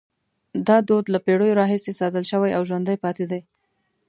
دا دود له پیړیو راهیسې ساتل شوی او ژوندی پاتې دی.